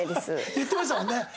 言ってましたもんね。